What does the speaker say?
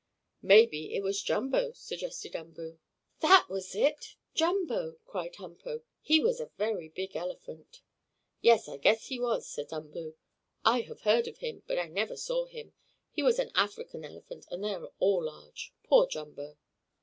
"Maybe it was Jumbo," suggested Umboo. "That was it Jumbo!" cried Humpo. "He was a very big elephant." "Yes, I guess he was," said Umboo. "I have heard of him, but I never saw him. He was an African elephant, and they are all large. Poor Jumbo!"